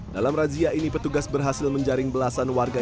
dalam razia ini petugas berhasil menjaring belasan warga